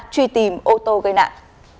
truy tìm ô tô gây nạn